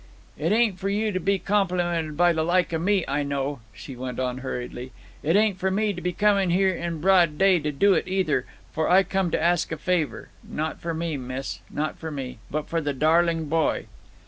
"It ain't for you to be complimented by the like of me, I know," she went on, hurriedly. "It ain't for me to be comin' here, in broad day, to do it, either; but I come to ask a favor not for me, miss not for me, but for the darling boy."